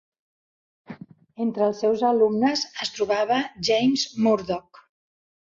Entre els seus alumnes es trobava James Murdoch.